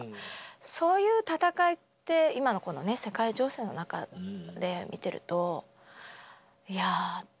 そういう戦いって今のこの世界情勢の中で見てるといやあって。